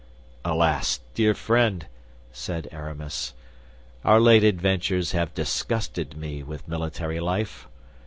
"Alas, dear friend!" said Aramis, "our late adventures have disgusted me with military life.